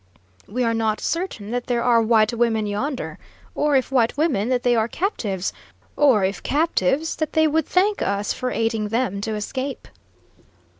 We are not certain that there are white women yonder. Or, if white women, that they are captives. Or, if captives, that they would thank us for aiding them to escape."